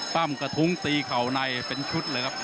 ปั้มกระทุ้งตีเข่าในเป็นชุดเลยครับ